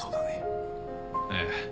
ええ。